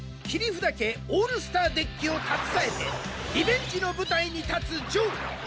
切札家オールスターデッキを携えてリベンジの舞台に立つジョー。